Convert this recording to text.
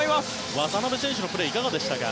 渡邊選手のプレーいかがでしたか。